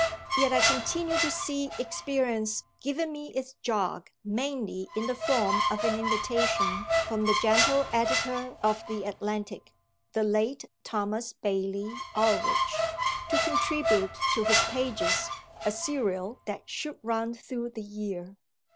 Yet I continue to see experience giving me its jog mainly in the form of an invitation from the gentle editor of the Atlantic, the late Thomas Bailey Aldrich, to contribute to his pages a serial that should run through the year.